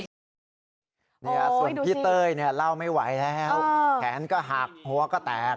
เนี่ยส่วนพี่เต้ยเนี่ยเล่าไม่ไหวแล้วแขนก็หักหัวก็แตก